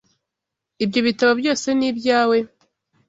Ibyo bitabo byose ni ibyawe?